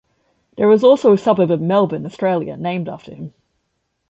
There is also a suburb of Melbourne, Australia, named after him.